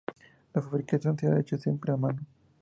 La fabricación se ha hecho siempre a mano.